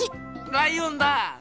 ライオンだ！